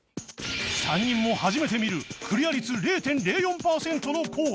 ３人も初めて見るクリア率 ０．０４ パーセントのコース